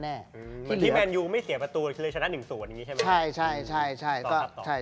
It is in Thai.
เหมือนที่แบนยูไม่เสียประตูเลยชนะ๑ส่วนอย่างนี้ใช่ไหม